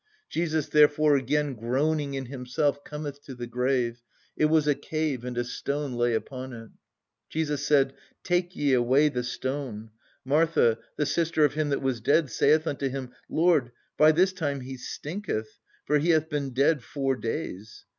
"Jesus therefore again groaning in Himself cometh to the grave. It was a cave, and a stone lay upon it. "Jesus said, Take ye away the stone. Martha, the sister of him that was dead, saith unto Him, Lord by this time he stinketh: for he hath been dead four days."